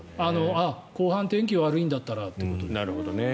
後半、天気が悪いんだったらってことで。